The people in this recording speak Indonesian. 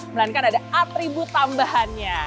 melankan ada atribu tambahannya